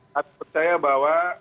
kami percaya bahwa